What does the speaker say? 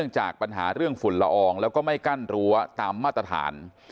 จากปัญหาเรื่องฝุ่นละอองแล้วก็ไม่กั้นรั้วตามมาตรฐาน